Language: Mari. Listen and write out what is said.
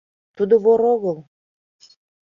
Тудо вор огыл!